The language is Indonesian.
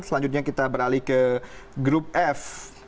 selanjutnya kita beralih ke grup f